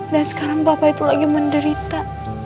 dan sekarang papa itu lagi menderita